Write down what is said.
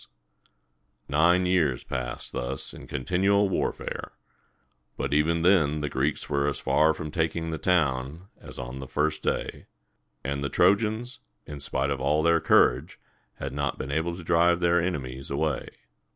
Nine years passed thus in continual warfare, but even then the Greeks were as far from taking the town as on the first day; and the Trojans, in spite of all their courage, had not been able to drive their enemies away.